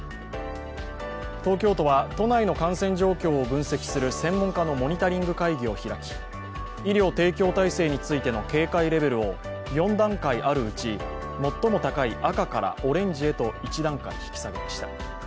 東京都は都内の感染状況を分析する専門家のモニタリング会議を開き医療提供体制についての警戒レベルを４段階あるうち最も高い赤からオレンジへと１段階引き下げました。